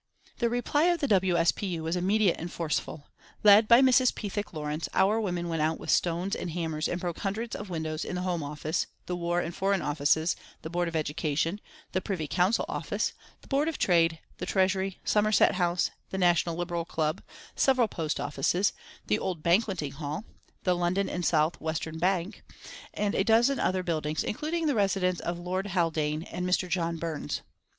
The reply of the W. S. P. U. was immediate and forceful. Led by Mrs. Pethick Lawrence, our women went out with stones and hammers and broke hundreds of windows in the Home Office, the War and Foreign Offices, the Board of Education, the Privy Council Office, the Board of Trade, the Treasury, Somerset House, the National Liberal Club, several post offices, the Old Banqueting Hall, the London and South Western Bank, and a dozen other buildings, including the residence of Lord Haldane and Mr. John Burns.